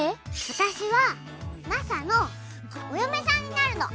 私はマサのお嫁さんになるの！